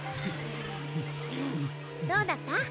どうだった？